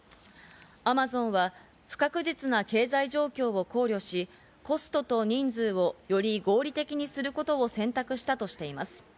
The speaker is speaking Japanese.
アマゾンは不確実な経済状況を考慮し、コストと人数をより合理的にすることを選択したとしています。